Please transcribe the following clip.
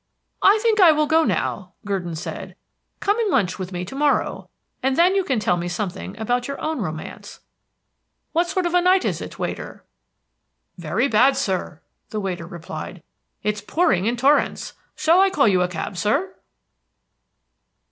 "I think I will go now," Gurdon said. "Come and lunch with me to morrow, and then you can tell me something about your own romance. What sort of a night is it, waiter?" "Very bad, sir," the waiter replied. "It's pouring in torrents. Shall I call you a cab, sir?"